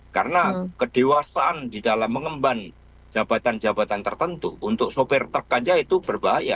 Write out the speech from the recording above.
karena kedewasaan di dalam mengemban jabatan jabatan tertentu untuk sopir truk saja itu berbahaya